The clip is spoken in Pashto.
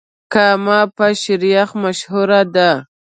کامه په شيريخ مشهوره ده.